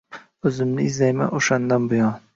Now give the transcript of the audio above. O’zimni izlayman o’shandan buyon».